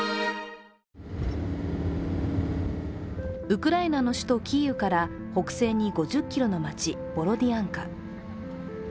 ウクライナの首都キーウから北西に５０ｋｍの街ボロディアンカ。